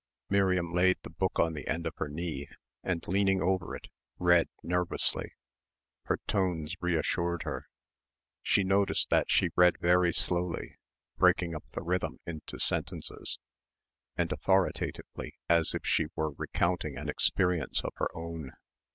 Miriam laid the book on the end of her knee, and leaning over it, read nervously. Her tones reassured her. She noticed that she read very slowly, breaking up the rhythm into sentences and authoritatively as if she were recounting an experience of her own.